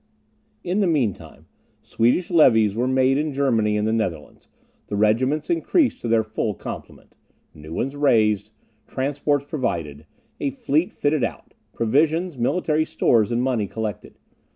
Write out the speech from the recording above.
In the mean time, Swedish levies were made in Germany and the Netherlands, the regiments increased to their full complement, new ones raised, transports provided, a fleet fitted out, provisions, military stores, and money collected.